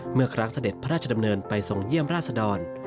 เมื่อครั้งเสด็จพระราชดำเนินไปทรงเยี่ยมราชดร